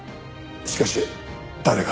しかし誰が。